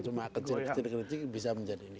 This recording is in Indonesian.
yang cuma kecil kecil bisa menjadi ini